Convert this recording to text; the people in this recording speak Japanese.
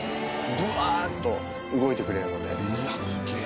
ブワっと動いてくれるので。